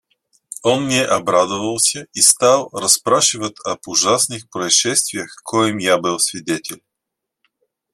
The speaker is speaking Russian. Он мне обрадовался и стал расспрашивать об ужасных происшествиях, коим я был свидетель.